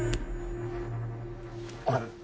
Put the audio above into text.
あれ？